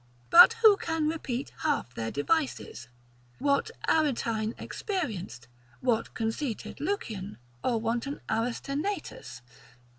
But who can repeat half their devices? What Aretine experienced, what conceited Lucian, or wanton Aristenaetus?